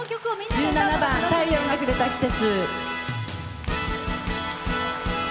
１７番「太陽がくれた季節」。